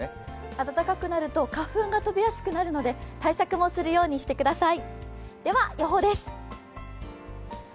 暖かくなると花粉が飛びやすくなるので対策もするようにしてください。